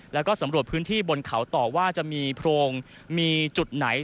แล้วก็สำรวจพื้นที่บนเขาต่อว่าจะมีโพรงมีจุดไหน